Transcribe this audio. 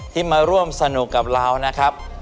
ที่มาร่วมสนุกกับเรานะครับ